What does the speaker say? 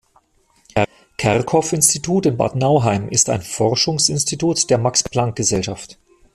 Kerckhoff-Institut in Bad Nauheim ist ein Forschungsinstitut der Max-Planck-Gesellschaft.